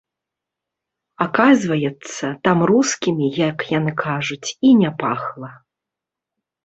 Аказваецца, там рускімі, як яны кажуць, і не пахла.